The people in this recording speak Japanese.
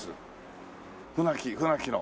船木船木の。